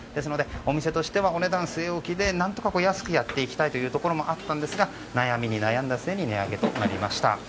お店としてはお値段据え置きで何とか安くやっていきたいというところもあったんですが悩みに悩んだ末に値上げとなりました。